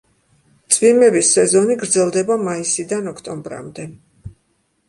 წვიმების სეზონი გრძელდება მაისიდან ოქტომბრამდე.